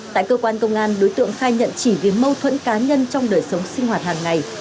tại cơ quan công an đối tượng khai nhận chỉ vì mâu thuẫn cá nhân trong đời sống sinh hoạt hàng ngày